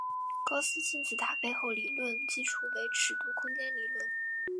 高斯金字塔背后的理论基础为尺度空间理论。